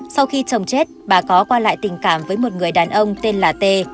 sau khi chồng chết bà có qua lại tình cảm với một người đàn ông tên là t